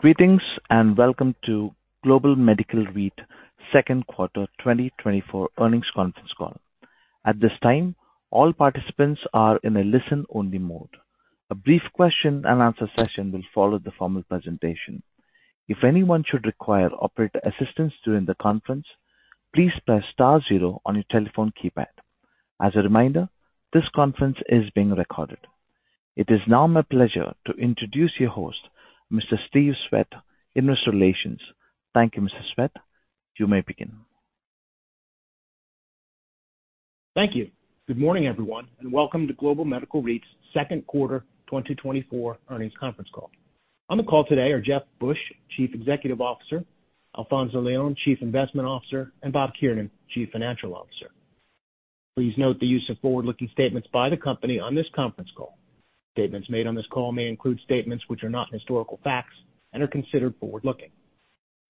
Greetings, and welcome to Global Medical REIT Second Quarter 2024 Earnings Conference Call. At this time, all participants are in a listen-only mode. A brief question and answer session will follow the formal presentation. If anyone should require operator assistance during the conference, please press star zero on your telephone keypad. As a reminder, this conference is being recorded. It is now my pleasure to introduce your host, Mr. Steve Swett, Investor Relations. Thank you, Mr. Swett. You may begin. Thank you. Good morning, everyone, and welcome to Global Medical REIT's second quarter 2024 earnings conference call. On the call today are Jeffrey Busch, Chief Executive Officer; Alfonzo Leon, Chief Investment Officer; and Bob Kiernan, Chief Financial Officer. Please note the use of forward-looking statements by the company on this conference call. Statements made on this call may include statements which are not historical facts and are considered forward-looking.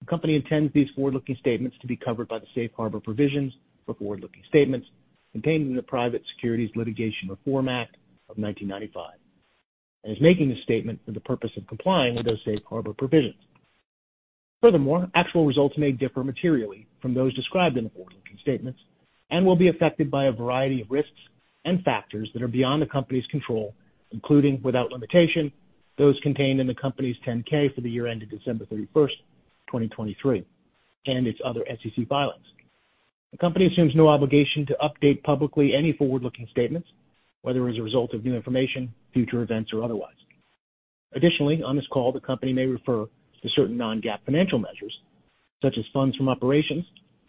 The company intends these forward-looking statements to be covered by the safe harbor provisions for forward-looking statements contained in the Private Securities Litigation Reform Act of 1995, and is making this statement for the purpose of complying with those safe harbor provisions. Furthermore, actual results may differ materially from those described in the forward-looking statements and will be affected by a variety of risks and factors that are beyond the company's control, including, without limitation, those contained in the company's 10-K for the year ended December 31, 2023, and its other SEC filings. The company assumes no obligation to update publicly any forward-looking statements, whether as a result of new information, future events, or otherwise. Additionally, on this call, the company may refer to certain non-GAAP financial measures, such as funds from operations,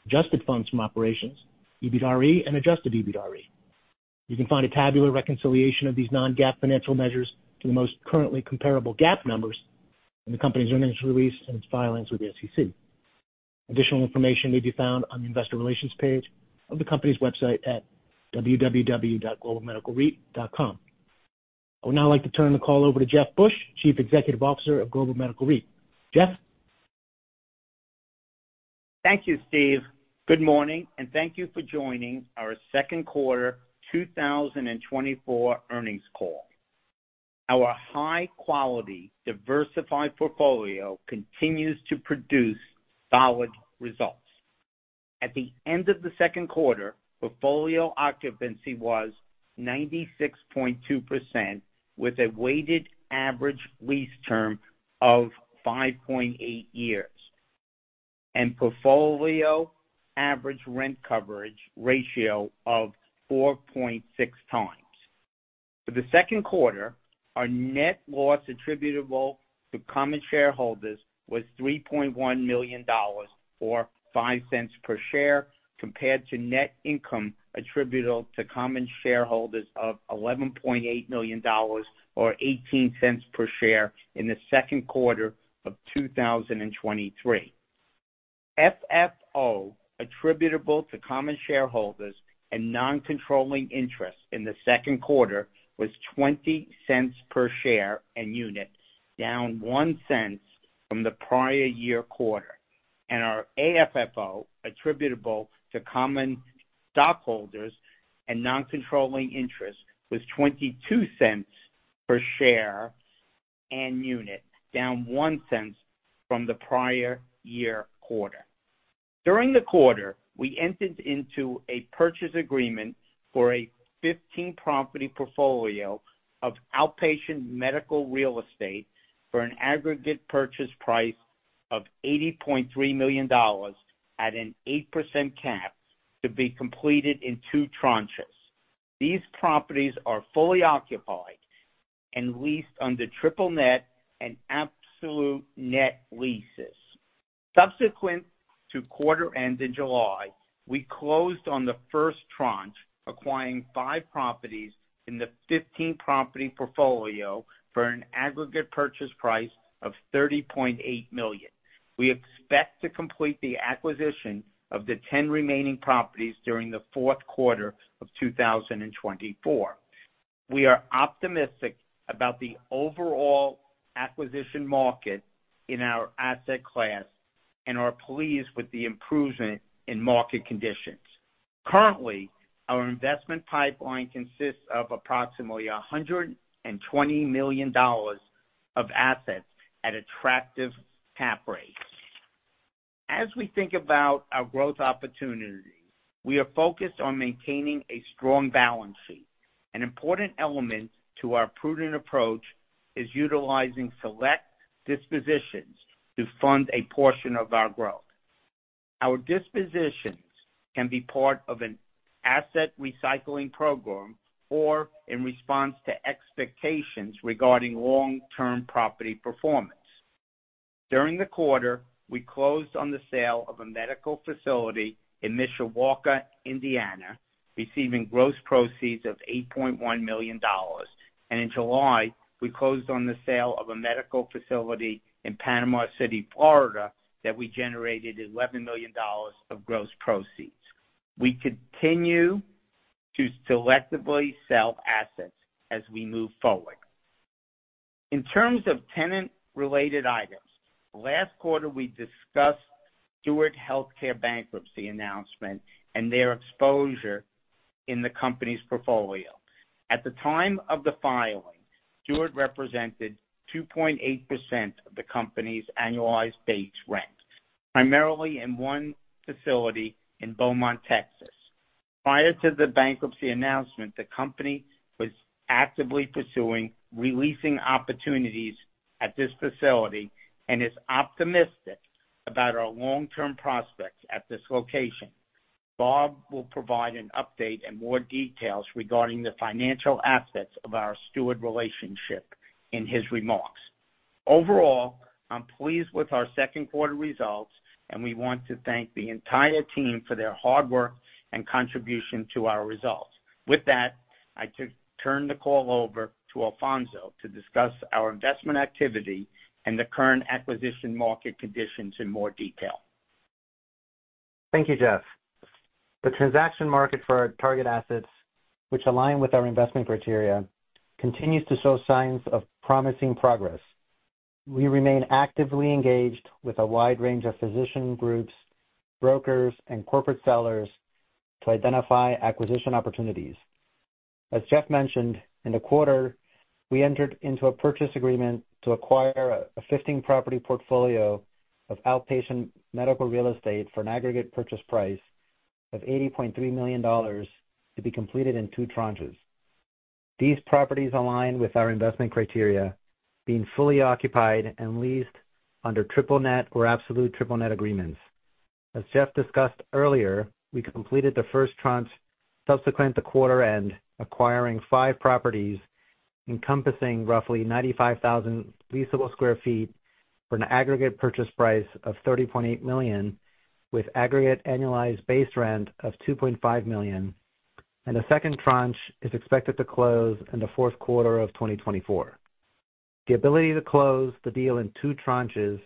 adjusted funds from operations, EBITDA and adjusted EBITDA. You can find a tabular reconciliation of these non-GAAP financial measures to the most currently comparable GAAP numbers in the company's earnings release and its filings with the SEC. Additional information may be found on the investor relations page of the company's website at www.globalmedicalreit.com. I would now like to turn the call over to Jeffrey Busch, Chief Executive Officer of Global Medical REIT. Jeff? Thank you, Steve. Good morning, and thank you for joining our second quarter 2024 earnings call. Our high-quality, diversified portfolio continues to produce solid results. At the end of the second quarter, portfolio occupancy was 96.2%, with a weighted average lease term of 5.8 years, and portfolio average rent coverage ratio of 4.6 times. For the second quarter, our net loss attributable to common shareholders was $3.1 million, or $0.05 per share, compared to net income attributable to common shareholders of $11.8 million, or $0.18 per share in the second quarter of 2023. FFO attributable to common shareholders and non-controlling interests in the second quarter was $0.20 per share and unit, down $0.01 from the prior year quarter, and our AFFO attributable to common stockholders and non-controlling interests was $0.22 per share and unit, down $0.01 from the prior year quarter. During the quarter, we entered into a purchase agreement for a 15-property portfolio of outpatient medical real estate for an aggregate purchase price of $80.3 million at an 8% cap, to be completed in 2 tranches. These properties are fully occupied and leased under triple net and absolute net leases. Subsequent to quarter end in July, we closed on the first tranche, acquiring 5 properties in the 15-property portfolio for an aggregate purchase price of $30.8 million. We expect to complete the acquisition of the 10 remaining properties during the fourth quarter of 2024. We are optimistic about the overall acquisition market in our asset class and are pleased with the improvement in market conditions. Currently, our investment pipeline consists of approximately $120 million of assets at attractive cap rates. As we think about our growth opportunities, we are focused on maintaining a strong balance sheet. An important element to our prudent approach is utilizing select dispositions to fund a portion of our growth. Our dispositions can be part of an asset recycling program or in response to expectations regarding long-term property performance. During the quarter, we closed on the sale of a medical facility in Mishawaka, Indiana, receiving gross proceeds of $8.1 million. In July, we closed on the sale of a medical facility in Panama City, Florida, that we generated $11 million of gross proceeds. We continue to selectively sell assets as we move forward. In terms of tenant-related items, last quarter, we discussed Steward Health Care bankruptcy announcement and their exposure in the company's portfolio. At the time of the filing, Steward represented 2.8% of the company's annualized base rent, primarily in one facility in Beaumont, Texas. Prior to the bankruptcy announcement, the company was actively pursuing releasing opportunities at this facility and is optimistic about our long-term prospects at this location. Bob will provide an update and more details regarding the financial assets of our Steward relationship in his remarks. Overall, I'm pleased with our second quarter results, and we want to thank the entire team for their hard work and contribution to our results. With that, I turn the call over to Alfonzo to discuss our investment activity and the current acquisition market conditions in more detail. Thank you, Jeff. The transaction market for our target assets, which align with our investment criteria, continues to show signs of promising progress. We remain actively engaged with a wide range of physician groups, brokers, and corporate sellers to identify acquisition opportunities. As Jeff mentioned, in the quarter, we entered into a purchase agreement to acquire a 15-property portfolio of outpatient medical real estate for an aggregate purchase price of $80.3 million, to be completed in two tranches. These properties align with our investment criteria, being fully occupied and leased under triple net or absolute triple net agreements. As Jeff discussed earlier, we completed the first tranche subsequent to quarter end, acquiring five properties encompassing roughly 95,000 leasable sq ft for an aggregate purchase price of $30.8 million, with aggregate annualized base rent of $2.5 million, and the second tranche is expected to close in the fourth quarter of 2024. The ability to close the deal in two tranches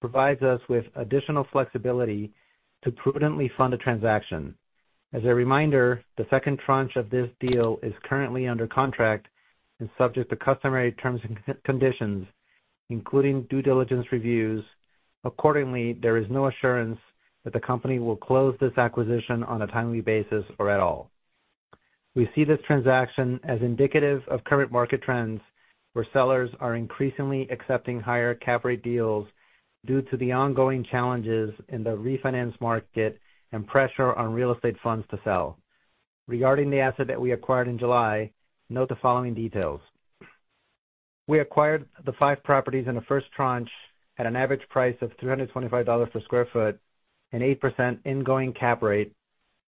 provides us with additional flexibility to prudently fund a transaction. As a reminder, the second tranche of this deal is currently under contract and subject to customary terms and conditions, including due diligence reviews. Accordingly, there is no assurance that the company will close this acquisition on a timely basis or at all. We see this transaction as indicative of current market trends, where sellers are increasingly accepting higher cap rate deals due to the ongoing challenges in the refinance market and pressure on real estate funds to sell. Regarding the asset that we acquired in July, note the following details. We acquired the five properties in the first tranche at an average price of $325 per sq ft, an 8% ingoing cap rate,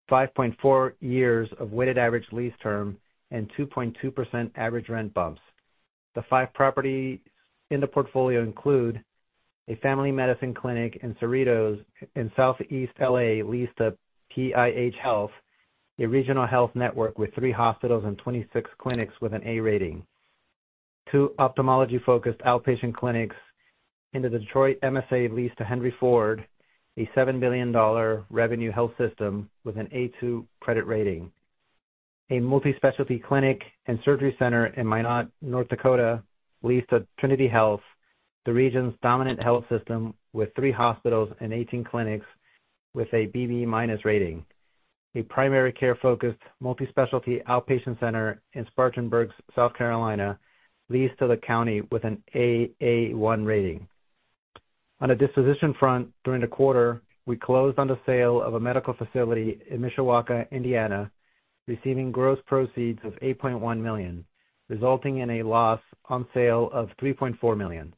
5.4 years of weighted average lease term, and 2.2% average rent bumps. The five properties in the portfolio include a family medicine clinic in Cerritos in Southeast LA, leased to PIH Health, a regional health network with three hospitals and 26 clinics with an A rating. Two ophthalmology-focused outpatient clinics in the Detroit MSA leased to Henry Ford, a $7 billion revenue health system with an A2 credit rating. A multi-specialty clinic and surgery center in Minot, North Dakota, leased to Trinity Health, the region's dominant health system with three hospitals and 18 clinics with a BB- rating. A primary care-focused, multi-specialty outpatient center in Spartanburg, South Carolina, leased to the county with an AA1 rating. On a disposition front, during the quarter, we closed on the sale of a medical facility in Mishawaka, Indiana, receiving gross proceeds of $8.1 million, resulting in a loss on sale of $3.4 million.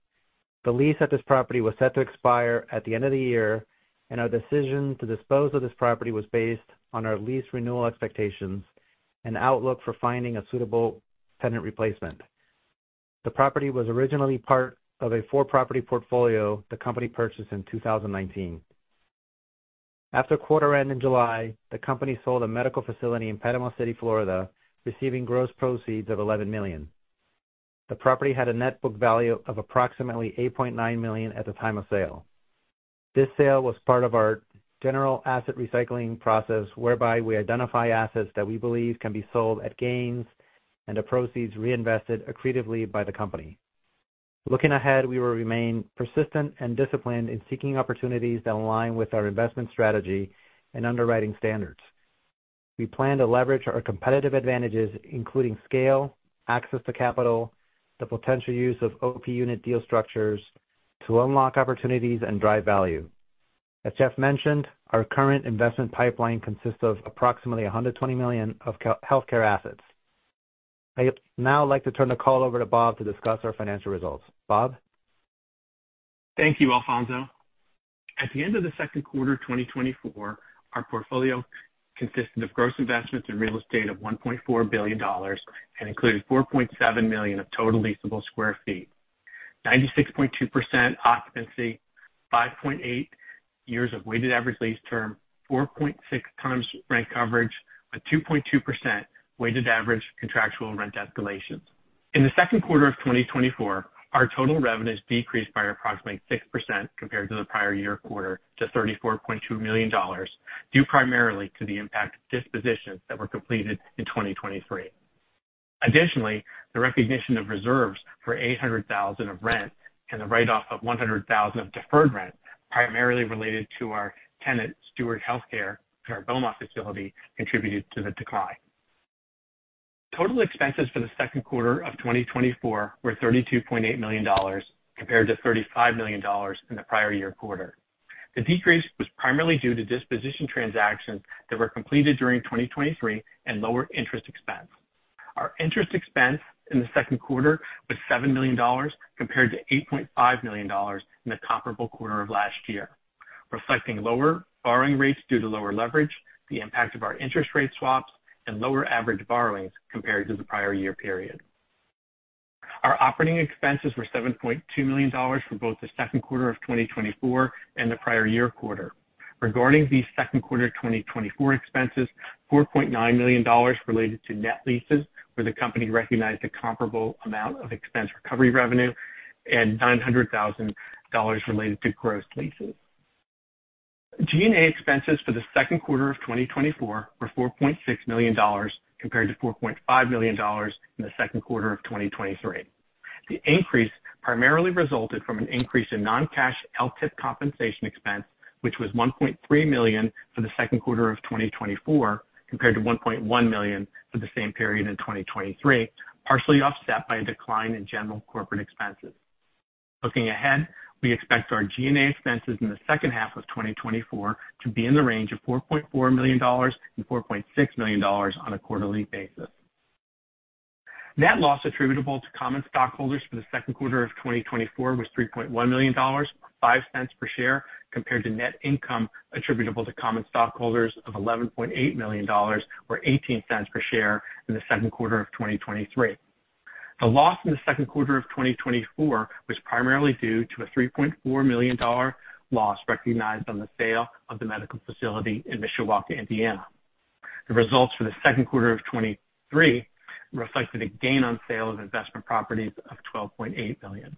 The lease at this property was set to expire at the end of the year, and our decision to dispose of this property was based on our lease renewal expectations and outlook for finding a suitable tenant replacement. The property was originally part of a 4-property portfolio the company purchased in 2019. After quarter end in July, the company sold a medical facility in Panama City, Florida, receiving gross proceeds of $11 million. The property had a net book value of approximately $8.9 million at the time of sale. This sale was part of our general asset recycling process, whereby we identify assets that we believe can be sold at gains and the proceeds reinvested accretively by the company. Looking ahead, we will remain persistent and disciplined in seeking opportunities that align with our investment strategy and underwriting standards. We plan to leverage our competitive advantages, including scale, access to capital, the potential use of OP unit deal structures, to unlock opportunities and drive value. As Jeff mentioned, our current investment pipeline consists of approximately $120 million of healthcare assets. I'd now like to turn the call over to Bob to discuss our financial results. Bob? Thank you, Alfonzo. At the end of the second quarter of 2024, our portfolio consisted of gross investments in real estate of $1.4 billion and included 4.7 million sq ft of total leasable square feet, 96.2% occupancy, 5.8 years of weighted average lease term, 4.6x rent coverage, a 2.2% weighted average contractual rent escalations. In the second quarter of 2024, our total revenues decreased by approximately 6% compared to the prior year quarter, to $34.2 million, due primarily to the impact of dispositions that were completed in 2023.... Additionally, the recognition of reserves for $800,000 of rent and the write-off of $100,000 of deferred rent, primarily related to our tenant, Steward Health Care, at our Beaumont facility, contributed to the decline. Total expenses for the second quarter of 2024 were $32.8 million, compared to $35 million in the prior year quarter. The decrease was primarily due to disposition transactions that were completed during 2023 and lower interest expense. Our interest expense in the second quarter was $7 million, compared to $8.5 million in the comparable quarter of last year, reflecting lower borrowing rates due to lower leverage, the impact of our interest rate swaps, and lower average borrowings compared to the prior year period. Our operating expenses were $7.2 million for both the second quarter of 2024 and the prior year quarter. Regarding the second quarter of 2024 expenses, $4.9 million related to net leases, where the company recognized a comparable amount of expense recovery revenue, and $900,000 related to gross leases. G&A expenses for the second quarter of 2024 were $4.6 million, compared to $4.5 million in the second quarter of 2023. The increase primarily resulted from an increase in non-cash LTIP compensation expense, which was $1.3 million for the second quarter of 2024, compared to $1.1 million for the same period in 2023, partially offset by a decline in general corporate expenses. Looking ahead, we expect our G&A expenses in the second half of 2024 to be in the range of $4.4 million-$4.6 million on a quarterly basis. Net loss attributable to common stockholders for the second quarter of 2024 was $3.1 million, or $0.05 per share, compared to net income attributable to common stockholders of $11.8 million, or $0.18 per share, in the second quarter of 2023. The loss in the second quarter of 2024 was primarily due to a $3.4 million dollar loss recognized on the sale of the medical facility in Mishawaka, Indiana. The results for the second quarter of 2023 reflected a gain on sale of investment properties of $12.8 million.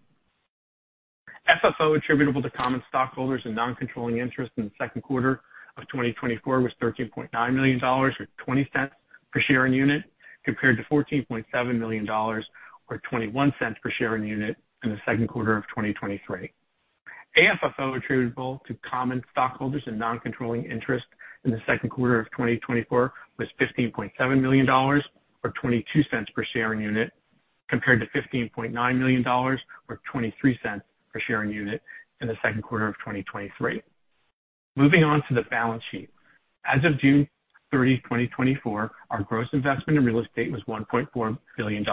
FFO attributable to common stockholders and non-controlling interests in the second quarter of 2024 was $13.9 million, or $0.20 per share in unit, compared to $14.7 million, or $0.21 per share in unit, in the second quarter of 2023. AFFO attributable to common stockholders and non-controlling interest in the second quarter of 2024 was $15.7 million, or $0.22 per share in unit, compared to $15.9 million, or $0.23 per share in unit, in the second quarter of 2023. Moving on to the balance sheet. As of June 30, 2024, our gross investment in real estate was $1.4 billion.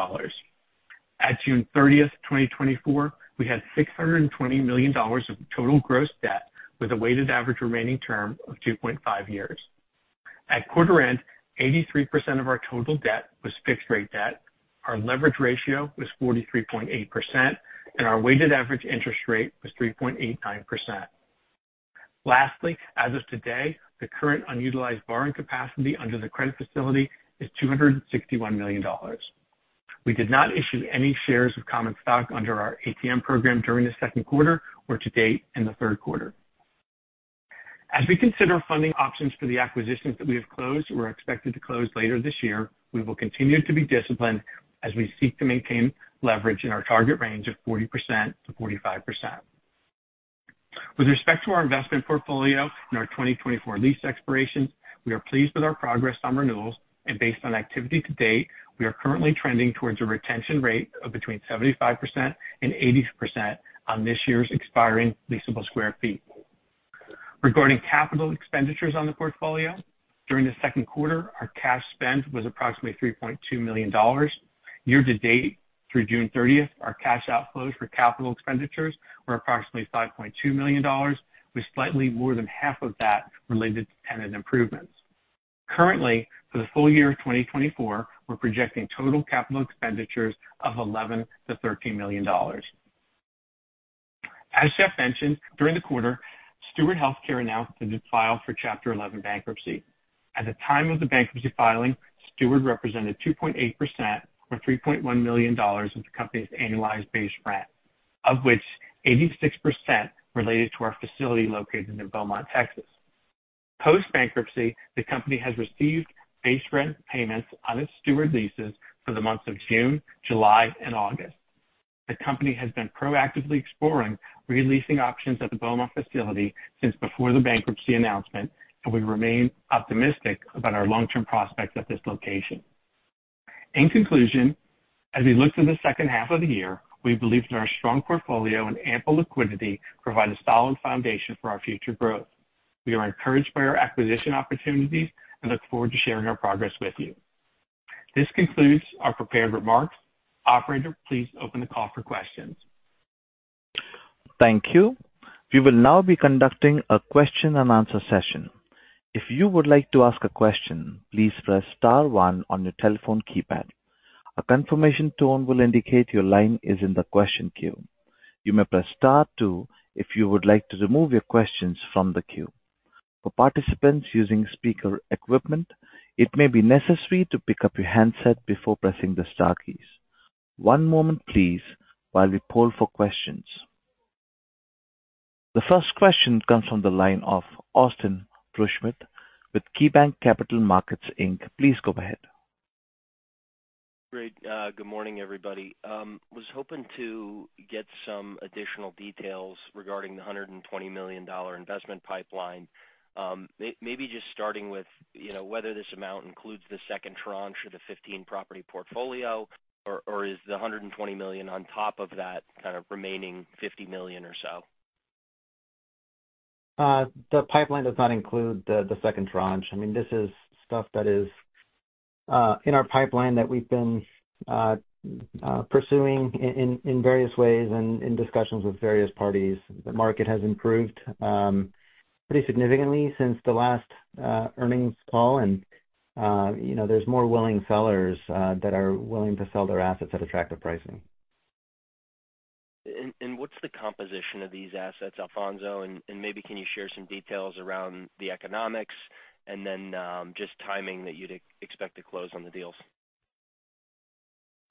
At June 30, 2024, we had $620 million of total gross debt, with a weighted average remaining term of 2.5 years. At quarter end, 83% of our total debt was fixed rate debt. Our leverage ratio was 43.8%, and our weighted average interest rate was 3.89%. Lastly, as of today, the current unutilized borrowing capacity under the credit facility is $261 million. We did not issue any shares of common stock under our ATM program during the second quarter or to date in the third quarter. As we consider funding options for the acquisitions that we have closed or are expected to close later this year, we will continue to be disciplined as we seek to maintain leverage in our target range of 40%-45%. With respect to our investment portfolio and our 2024 lease expirations, we are pleased with our progress on renewals, and based on activity to date, we are currently trending towards a retention rate of between 75% and 80% on this year's expiring leasable square feet. Regarding capital expenditures on the portfolio, during the second quarter, our cash spend was approximately $3.2 million. Year to date, through June thirtieth, our cash outflows for capital expenditures were approximately $5.2 million, with slightly more than half of that related to tenant improvements. Currently, for the full year of 2024, we're projecting total capital expenditures of $11 million-$13 million. As Jeff mentioned, during the quarter, Steward Health Care announced that it filed for Chapter 11 bankruptcy. At the time of the bankruptcy filing, Steward represented 2.8%, or $3.1 million, of the company's annualized base rent, of which 86% related to our facility located in Beaumont, Texas. Post-bankruptcy, the company has received base rent payments on its Steward leases for the months of June, July, and August. The company has been proactively exploring re-leasing options at the Beaumont facility since before the bankruptcy announcement, and we remain optimistic about our long-term prospects at this location. In conclusion, as we look to the second half of the year, we believe that our strong portfolio and ample liquidity provide a solid foundation for our future growth. We are encouraged by our acquisition opportunities and look forward to sharing our progress with you. This concludes our prepared remarks. Operator, please open the call for questions. Thank you. We will now be conducting a question and answer session. If you would like to ask a question, please press star one on your telephone keypad. A confirmation tone will indicate your line is in the question queue. You may press star two if you would like to remove your questions from the queue. For participants using speaker equipment, it may be necessary to pick up your handset before pressing the star keys. One moment, please, while we poll for questions.... The first question comes from the line of Austin Wurschmidt with KeyBanc Capital Markets Inc. Please go ahead. Great. Good morning, everybody. Was hoping to get some additional details regarding the $120 million investment pipeline. Maybe just starting with, you know, whether this amount includes the second tranche or the 15-property portfolio, or, or is the $120 million on top of that kind of remaining $50 million or so? The pipeline does not include the second tranche. I mean, this is stuff that is in our pipeline that we've been pursuing in various ways and in discussions with various parties. The market has improved pretty significantly since the last earnings call. And you know, there's more willing sellers that are willing to sell their assets at attractive pricing. What's the composition of these assets, Alfonzo? Maybe can you share some details around the economics, and then just timing that you'd expect to close on the deals?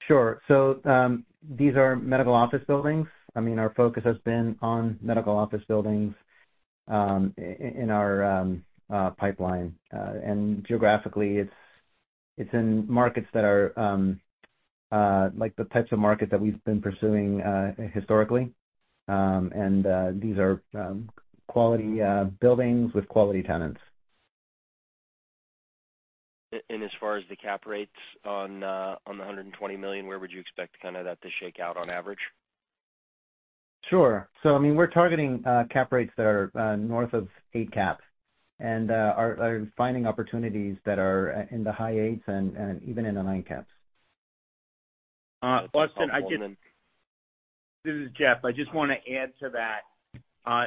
Sure. So, these are medical office buildings. I mean, our focus has been on medical office buildings in our pipeline. And geographically, it's in markets that are like the types of markets that we've been pursuing historically. And these are quality buildings with quality tenants. As far as the cap rates on $120 million, where would you expect kind of that to shake out on average? Sure. So I mean, we're targeting cap rates that are north of 8 caps, and are finding opportunities that are in the high 8s and even in the 9 caps. Austin, I just This is Jeff. I just want to add to that.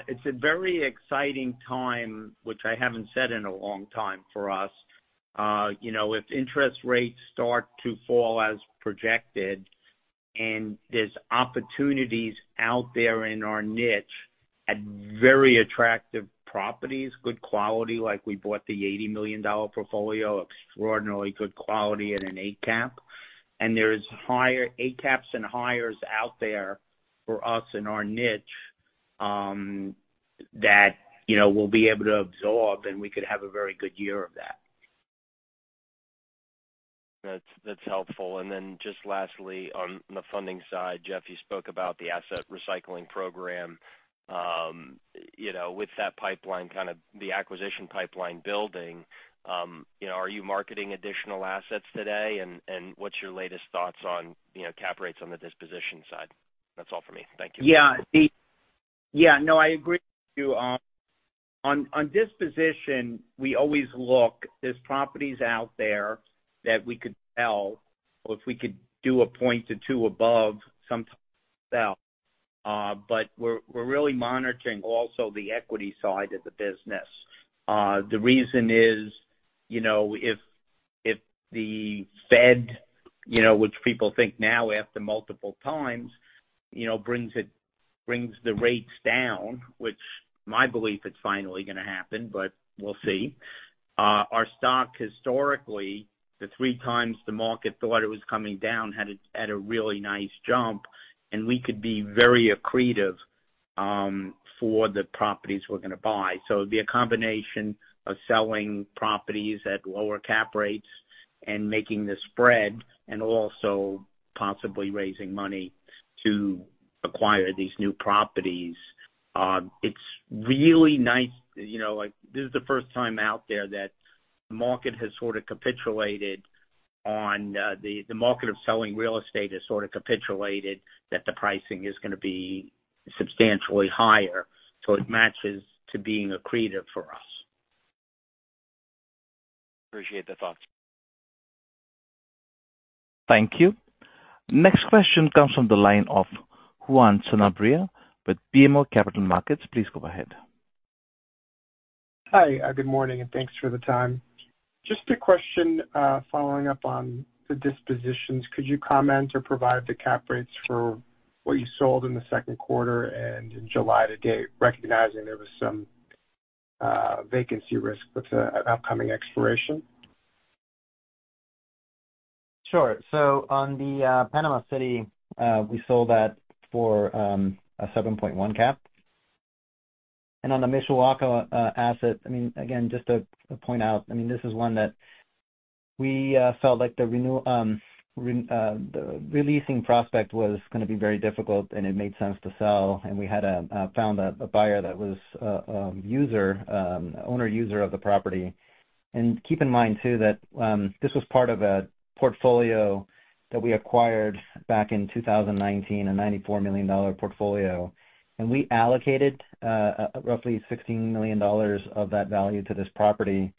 It's a very exciting time, which I haven't said in a long time, for us. You know, if interest rates start to fall as projected, and there's opportunities out there in our niche at very attractive properties, good quality, like we bought the $80 million portfolio, extraordinarily good quality at an 8 cap. And there's higher 8 caps and higher out there for us in our niche, that, you know, we'll be able to absorb, and we could have a very good year of that. That's, that's helpful. And then just lastly, on the funding side, Jeff, you spoke about the asset recycling program. You know, with that pipeline, kind of the acquisition pipeline building, you know, are you marketing additional assets today? And what's your latest thoughts on, you know, cap rates on the disposition side? That's all for me. Thank you. Yeah, yeah, no, I agree with you. On disposition, we always look, there's properties out there that we could sell or if we could do 1.2 above, sometimes sell. But we're really monitoring also the equity side of the business. The reason is, you know, if the Fed, you know, which people think now after multiple times, you know, brings the rates down, which my belief, it's finally gonna happen, but we'll see. Our stock historically, the 3 times the market thought it was coming down, had a really nice jump, and we could be very accretive for the properties we're gonna buy. So it'd be a combination of selling properties at lower cap rates and making the spread, and also possibly raising money to acquire these new properties. It's really nice, you know, like, this is the first time out there that the market has sort of capitulated on, the market of selling real estate has sort of capitulated, that the pricing is gonna be substantially higher, so it matches to being accretive for us. Appreciate the thoughts. Thank you. Next question comes from the line of Juan Sanabria with BMO Capital Markets. Please go ahead. Hi, good morning, and thanks for the time. Just a question, following up on the dispositions. Could you comment or provide the cap rates for what you sold in the second quarter and in July to date, recognizing there was some vacancy risk with an upcoming expiration? Sure. So on the Panama City, we sold that for a 7.1 cap. And on the Mishawaka asset, I mean, again, just to point out, I mean, this is one that we felt like the re-leasing prospect was gonna be very difficult, and it made sense to sell, and we had found a buyer that was owner-user of the property. And keep in mind, too, that this was part of a portfolio that we acquired back in 2019, a $94 million portfolio. And we allocated roughly $16 million of that value to this property.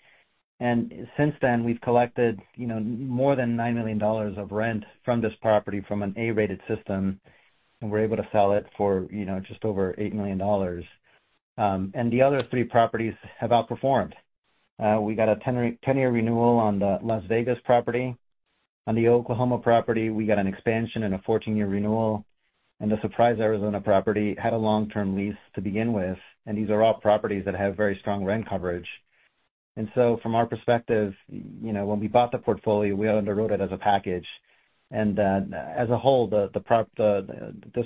And since then, we've collected, you know, more than $9 million of rent from this property from an A-rated system, and we're able to sell it for, you know, just over $8 million. And the other three properties have outperformed. We got a 10-year renewal on the Las Vegas property. On the Oklahoma property, we got an expansion and a 14-year renewal, and the Surprise, Arizona property had a long-term lease to begin with, and these are all properties that have very strong rent coverage. And so from our perspective, you know, when we bought the portfolio, we underwrote it as a package, and then as a whole, the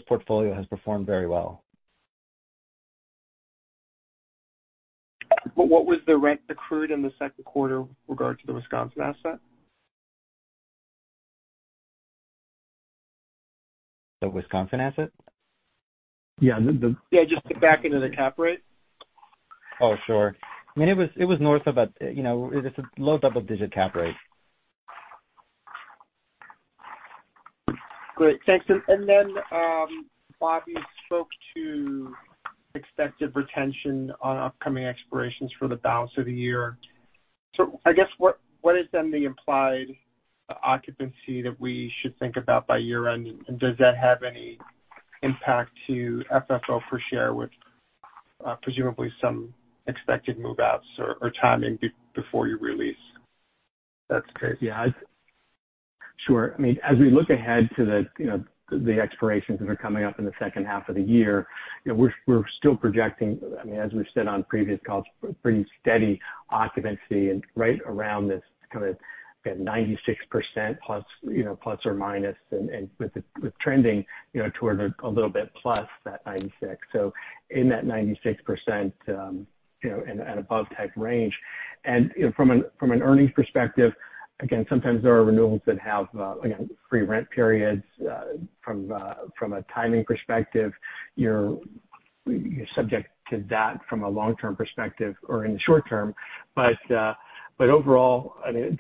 portfolio has performed very well. What was the rent accrued in the second quarter with regard to the Wisconsin asset? The Wisconsin asset? Yeah, the- Yeah, just back into the cap rate. Oh, sure. I mean, it was, it was north of a, you know, it was a low double-digit cap rate. Great. Thanks. And then, Bob, you spoke to expected retention on upcoming expirations for the balance of the year. So I guess, what is then the implied occupancy that we should think about by year-end? And does that have any impact to FFO per share, with presumably some expected move-outs or timing before you release? That's great. Yeah. Sure. I mean, as we look ahead to the, you know, the expirations that are coming up in the second half of the year, you know, we're still projecting, I mean, as we've said on previous calls, pretty steady occupancy and right around this kind of 96% plus, you know, ±, and with it trending, you know, toward a little bit plus that 96%. So in that 96%, you know, and above type range. And, you know, from an earnings perspective, again, sometimes there are renewals that have again free rent periods from a timing perspective, you're subject to that from a long-term perspective or in the short term. But overall, I mean,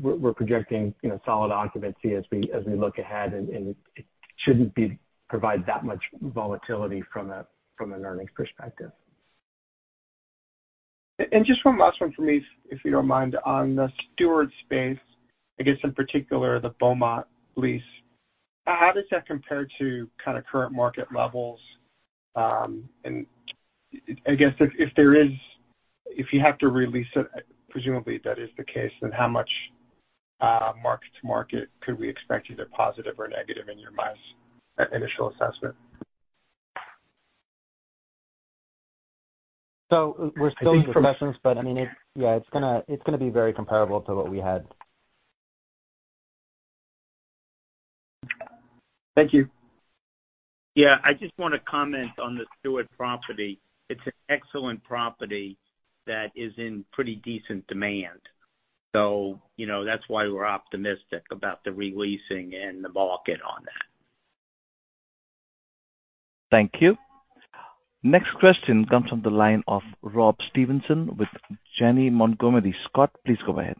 we're projecting, you know, solid occupancy as we look ahead, and it shouldn't be provide that much volatility from an earnings perspective. Just one last one for me, if you don't mind, on the Steward space, I guess in particular, the Beaumont lease. How does that compare to kind of current market levels? I guess if you have to release it, presumably that is the case, then how much mark to market could we expect, either positive or negative, in your mind, at initial assessment? We're still in discussions, but I mean, it... Yeah, it's gonna, it's gonna be very comparable to what we had. Thank you. Yeah, I just want to comment on the Steward property. It's an excellent property that is in pretty decent demand. So, you know, that's why we're optimistic about the re-leasing and the market on that. Thank you. Next question comes from the line of Rob Stevenson with Janney Montgomery Scott. Please go ahead.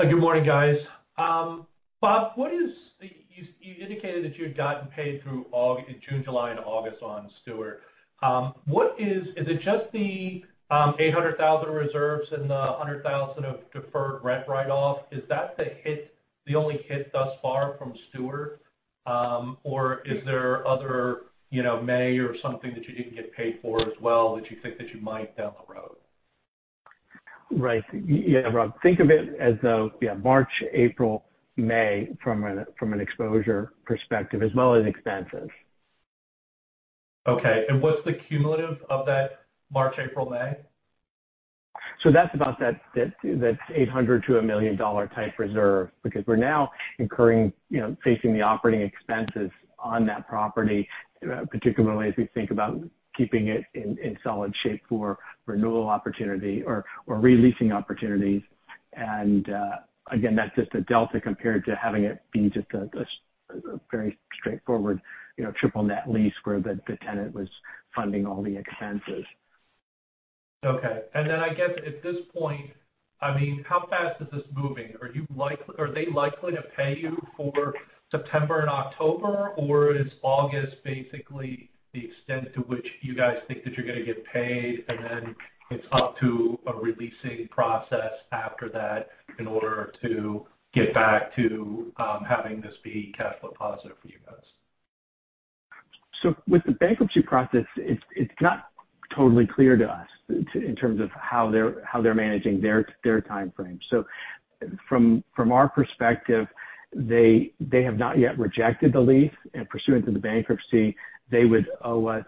Good morning, guys. Bob, you indicated that you had gotten paid through June, July, and August on Steward. Is it just the $800,000 reserves and the $100,000 of deferred rent write-off? Is that the hit, the only hit thus far from Steward? Or is there other, you know, May or something that you didn't get paid for as well, that you think that you might down the road? Right. Yeah, Rob, think of it as, yeah, March, April, May, from an exposure perspective, as well as expenses. Okay. What's the cumulative of that March, April, May? So that's about that $800,000-$1 million type reserve, because we're now incurring, you know, facing the operating expenses on that property, particularly as we think about keeping it in solid shape for renewal opportunity or re-leasing opportunities. And again, that's just a delta compared to having it be just a very straightforward, you know, triple net lease where the tenant was funding all the expenses. Okay. And then I guess at this point, I mean, how fast is this moving? Are you like, are they likely to pay you for September and October, or is August basically the extent to which you guys think that you're gonna get paid, and then it's up to a re-leasing process after that in order to get back to having this be cash flow positive for you guys? So with the bankruptcy process, it's not totally clear to us in terms of how they're managing their timeframe. So from our perspective, they have not yet rejected the lease, and pursuant to the bankruptcy, they would owe us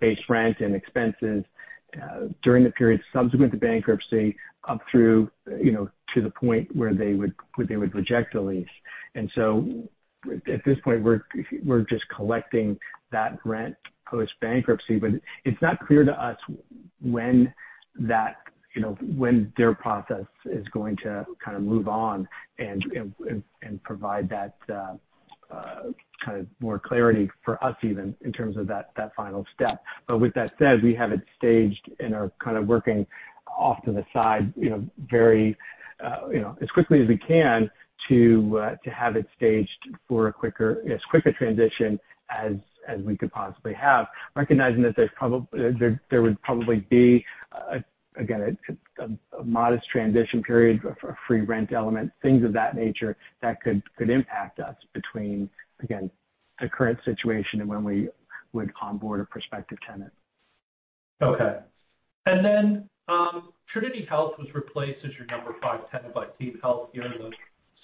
base rent and expenses during the period subsequent to bankruptcy, up through, you know, to the point where they would reject the lease. And so at this point, we're just collecting that rent post-bankruptcy, but it's not clear to us when that, you know, when their process is going to kind of move on and provide that kind of more clarity for us even in terms of that final step. But with that said, we have it staged and are kind of working off to the side, you know, very, you know, as quickly as we can to have it staged for a quicker, as quick a transition as we could possibly have, recognizing that there's probably there would probably be, again, a modest transition period for a free rent element, things of that nature, that could impact us between, again, the current situation and when we would onboard a prospective tenant. Okay... And then, Trinity Health was replaced as your number five tenant by TeamHealth during the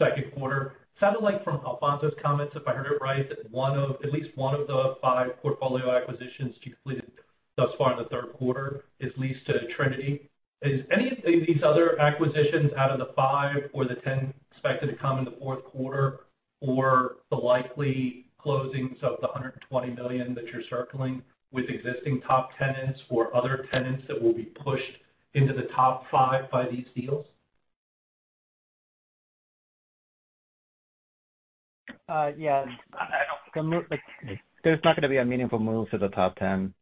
second quarter. Sounded like from Alfonzo's comments, if I heard it right, that at least one of the five portfolio acquisitions you completed thus far in the third quarter is leased to Trinity. Is any of these other acquisitions out of the five or the ten expected to come in the fourth quarter, or the likely closings of the $120 million that you're circling with existing top tenants or other tenants that will be pushed into the top five by these deals? Yeah, I don't think the move like, there's not gonna be a meaningful move to the top ten.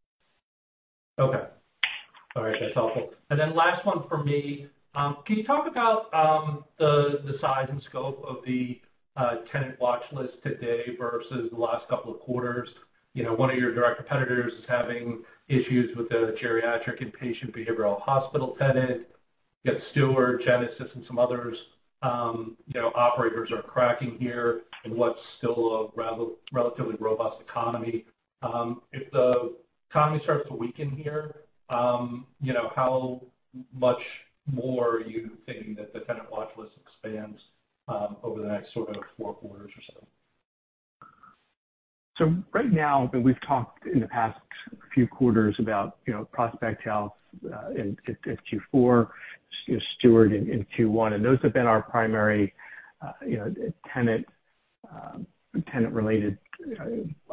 Okay. All right. That's helpful. And then last one for me. Can you talk about the size and scope of the tenant watch list today versus the last couple of quarters? You know, one of your direct competitors is having issues with a geriatric inpatient behavioral hospital tenant. You have Steward, Genesis, and some others, you know, operators are cracking here in what's still a relatively robust economy. If the economy starts to weaken here, you know, how much more are you thinking that the tenant watch list expands over the next sort of four quarters or so? So right now, and we've talked in the past few quarters about, you know, Prospect Medical Holdings in Q4, Steward Health Care in Q1, and those have been our primary, you know, tenant-related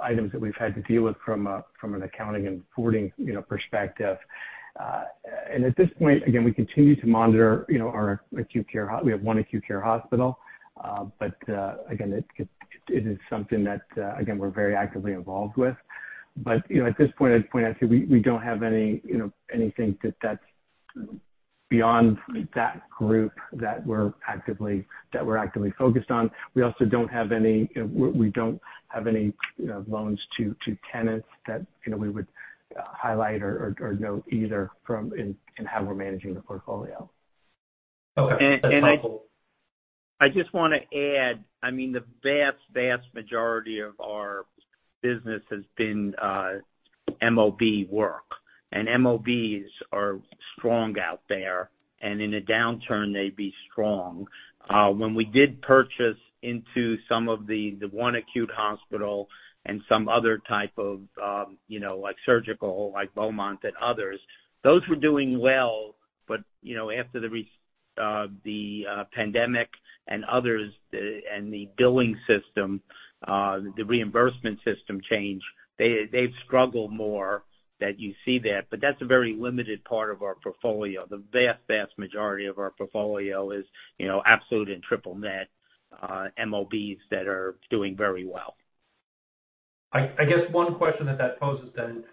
items that we've had to deal with from an accounting and reporting, you know, perspective. And at this point, again, we continue to monitor, you know, our acute care. We have one acute care hospital. But again, it is something that, again, we're very actively involved with. But, you know, at this point, I'd point out to you, we don't have any, you know, anything that's beyond that group that we're actively focused on. We also don't have any, you know, loans to tenants that, you know, we would highlight or note either from in how we're managing the portfolio. Okay. I just wanna add, I mean, the vast, vast majority of our business has been MOB work, and MOBs are strong out there, and in a downturn, they'd be strong. When we did purchase into some of the one acute hospital and some other type of, you know, like surgical, like Beaumont and others, those were doing well. But, you know, after the pandemic and others, and the billing system, the reimbursement system changed, they've struggled more, that you see that. But that's a very limited part of our portfolio. The vast, vast majority of our portfolio is, you know, absolute and triple net MOBs that are doing very well. I guess one question that poses then,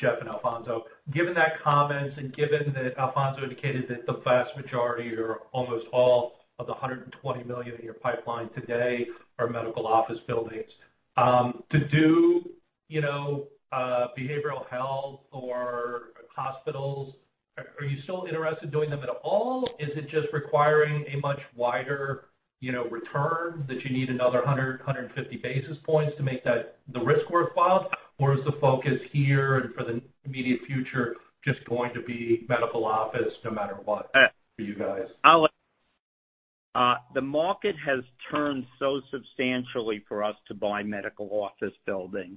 Jeff and Alfonzo, given those comments and given that Alfonzo indicated that the vast majority or almost all of the $120 million in your pipeline today are medical office buildings, you know, behavioral health or hospitals, are you still interested in doing them at all? Is it just requiring a much wider, you know, return that you need another 150 basis points to make that the risk worthwhile? Or is the focus here and for the immediate future just going to be medical office no matter what, for you guys? I'll, the market has turned so substantially for us to buy medical office buildings.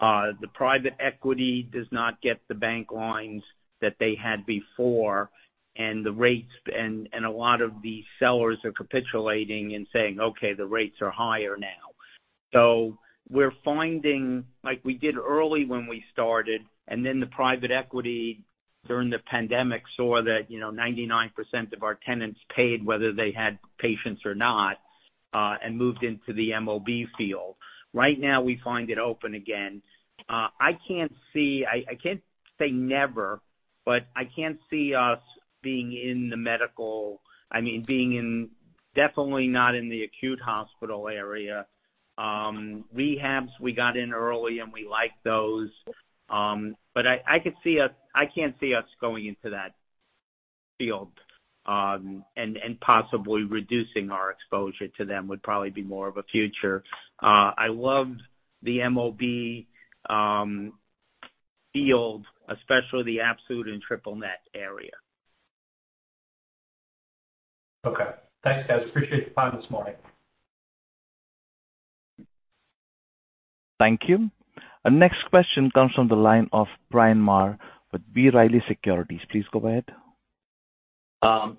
The private equity does not get the bank lines that they had before, and the rates and a lot of the sellers are capitulating and saying, "Okay, the rates are higher now." So we're finding, like we did early when we started, and then the private equity during the pandemic saw that, you know, 99% of our tenants paid, whether they had patients or not, and moved into the MOB field. Right now, we find it open again. I can't see... I can't say never, but I can't see us being in the medical, I mean, being in, definitely not in the acute hospital area. Rehabs, we got in early, and we like those. But I could see us, I can't see us going into that field, and possibly reducing our exposure to them would probably be more of a future. I love the MOB field, especially the absolute and triple net area. Okay. Thanks, guys. Appreciate the time this morning. Thank you. Our next question comes from the line of Bryan Maher with B. Riley Securities. Please go ahead.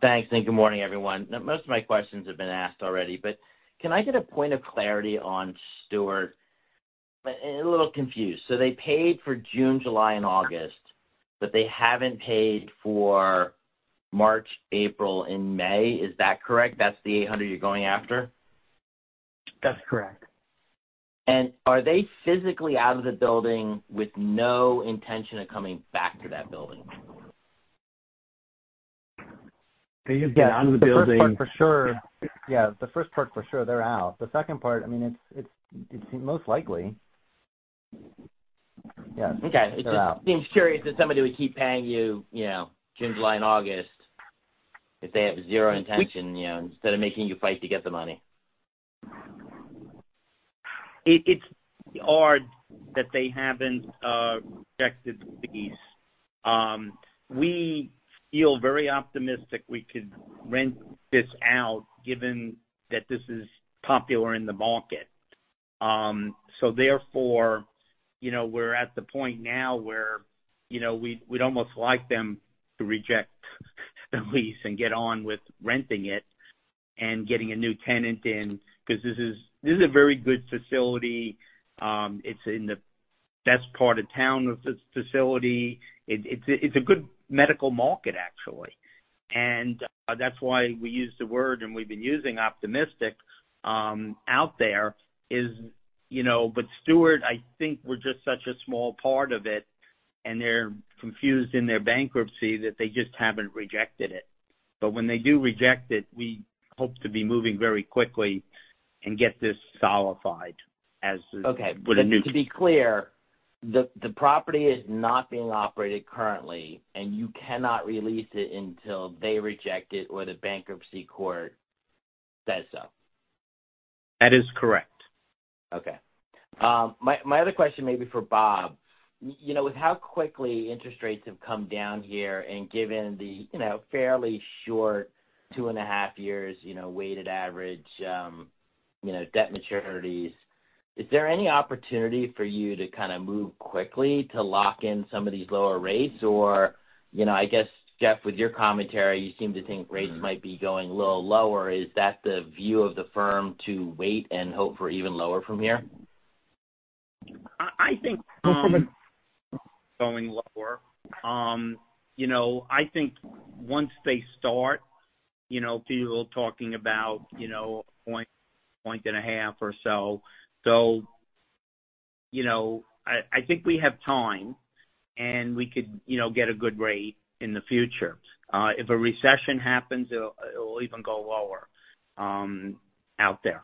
Thanks, and good morning, everyone. Now, most of my questions have been asked already, but can I get a point of clarity on Steward? A little confused. So they paid for June, July, and August, but they haven't paid for March, April, and May. Is that correct? That's the $800 you're going after? That's correct. Are they physically out of the building with no intention of coming back to that building? They just get out of the building- The first part, for sure. Yeah, the first part, for sure, they're out. The second part, I mean, it's, it's most likely. Yes, they're out. Okay. Just seems curious that somebody would keep paying you, you know, June, July, and August, if they have zero intention, you know, instead of making you fight to get the money.... It's odd that they haven't rejected the lease. We feel very optimistic we could rent this out, given that this is popular in the market. So therefore, you know, we're at the point now where, you know, we'd almost like them to reject the lease and get on with renting it and getting a new tenant in, because this is a very good facility. It's in the best part of town, of this facility. It's a good medical market, actually. And that's why we use the word, and we've been using optimistic out there is, you know... But Steward, I think we're just such a small part of it, and they're confused in their bankruptcy, that they just haven't rejected it. But when they do reject it, we hope to be moving very quickly and get this solidified as- Okay. With a new- To be clear, the property is not being operated currently, and you cannot re-lease it until they reject it, or the bankruptcy court says so? That is correct. Okay. My other question may be for Bob. You know, with how quickly interest rates have come down here, and given the, you know, fairly short 2.5 years, you know, weighted average, you know, debt maturities, is there any opportunity for you to kind of move quickly to lock in some of these lower rates? Or, you know, I guess, Jeff, with your commentary, you seem to think rates might be going a little lower. Is that the view of the firm, to wait and hope for even lower from here? I think- From an- going lower. You know, I think once they start, you know, people talking about, you know, 1, 1.5 or so. So, you know, I think we have time, and we could, you know, get a good rate in the future. If a recession happens, it'll even go lower, out there.